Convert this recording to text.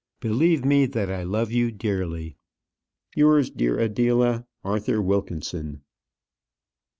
Believe me, that I love you dearly. Yours, dear Adela, ARTHUR WILKINSON.